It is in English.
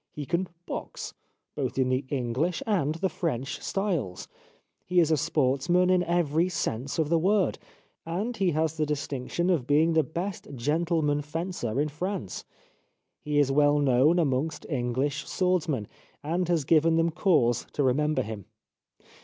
He can box, both in the English and the French styles ; he is a sportsman in every sense of the word, and he has the distinction of being the best gentle man fencer in France. He is well known amongst English swordsmen, and has given them cause to remember him.